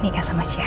nikah sama siapa ya